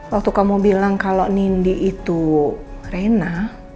waktu kamu bilang kalau nindi itu rena